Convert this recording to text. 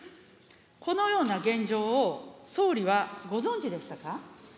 このような現状を総理はご存じでしたか。